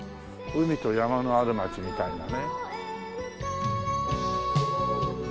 海と山のある街みたいなね。